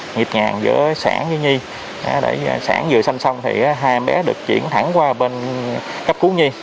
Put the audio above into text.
nhịp nhàng giữa sản với nhi sản vừa sanh xong thì hai bé được chuyển thẳng qua bên cấp cú nhi